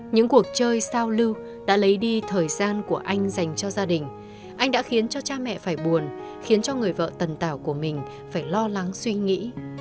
những cuộc chơi sao lưu đã lấy đi thời gian của anh dành cho gia đình anh đã khiến cho cha mẹ phải buồn khiến cho người vợ tần tảo của mình phải lo lắng suy nghĩ